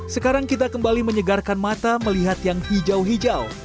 sekarang kita kembali menyegarkan mata melihat yang hijau hijau